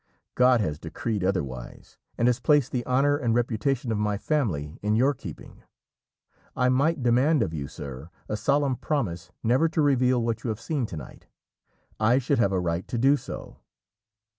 God has decreed otherwise, and has placed the honour and reputation of my family in your keeping. I might demand of you, sir, a solemn promise never to reveal what you have seen to night. I should have a right to do so."